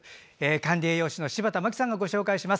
管理栄養士の柴田真希さんがご紹介します。